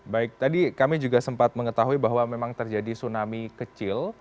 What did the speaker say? baik tadi kami juga sempat mengetahui bahwa memang terjadi tsunami kecil